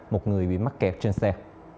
một người bị mắc kẹt trên xe